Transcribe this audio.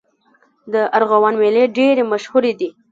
د ارغوان میلې ډېرې مشهورې دي.